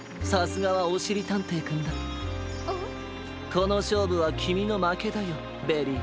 このしょうぶはきみのまけだよベリー。